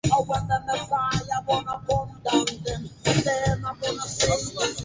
Ujumbe wake kwa viongozi wa siasa Tanzania mpaka aliyekuwa Mratibu wa vipindi Radio One